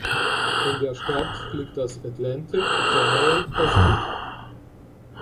In der Stadt liegt das Atlantic General Hospital.